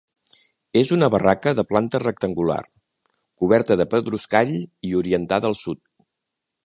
És una barraca de planta rectangular, coberta de pedruscall i orientada al sud.